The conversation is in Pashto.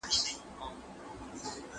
زه اوږده وخت کتابونه ليکم!؟